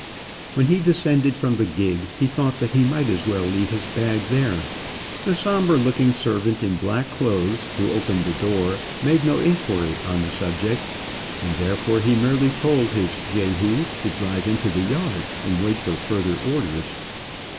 When he descended from the gig he thought that he might as well leave his bag there. The sombre looking servant in black clothes who opened the door made no inquiry on the subject; and, therefore, he merely told his Jehu to drive into the yard and wait for further orders.